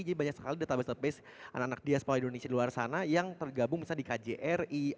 jadi banyak sekali database database anak anak diaspora indonesia di luar sana yang tergabung misalnya di kjri atau di sdi